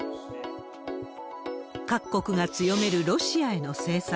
各国が強めるロシアへの制裁。